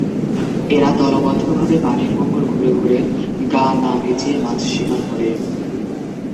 এরা দলবদ্ধভাবে পানির ওপর ঘুরে ঘুরে গা না ভিজিয়ে মাছ শিকার করে।